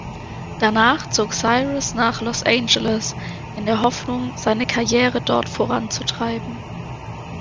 Danach zog Cyrus nach Los Angeles, in der Hoffnung, seine Karriere dort voranzutreiben.